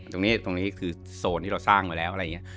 ตรงนี้คือโซนที่เราสร้างไว้แล้วอะไรอย่างเงียบ